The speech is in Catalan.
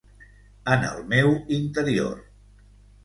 En el meu interior.